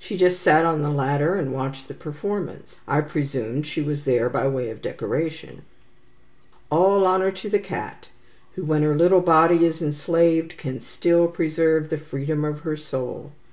She just sat on the ladder, and watched the performance. I presumed she was there by way of decoration." All honour to the cat, who, when her little body is enslaved, can still preserve the freedom of her soul.